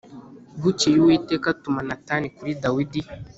Bukeye Uwiteka atuma Natani kuri Dawidi